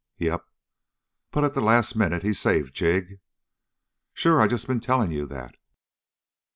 "Yep." "But at the last minute he saved Jig?" "Sure. I just been telling you that."